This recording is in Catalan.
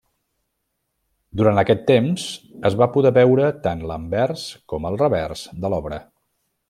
Durant aquest temps es va poder veure tant l'anvers com el revers de l'obra.